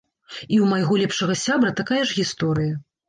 І ў майго лепшага сябра такая ж гісторыя.